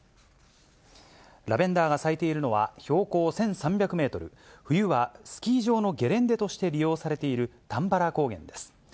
ラベンダーが咲いているのは、標高１３００メートル、冬はスキー場のゲレンデとして利用されている玉原高原です。